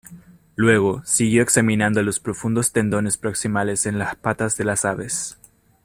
Luego, siguió examinando los profundos tendones proximales en las patas de las aves.